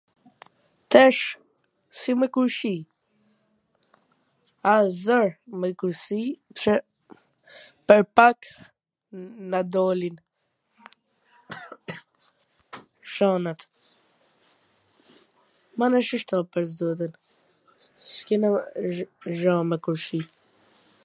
Tash si me kursy? A zor me kursy, pwr pak na dolin gjanat. Mana shishto pwr zotin, s kena gja me kursy.